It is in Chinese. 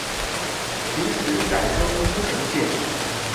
秦时改称乌程县。